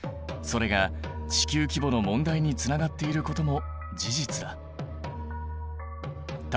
それが地球規模の問題につながっていることも事実だ。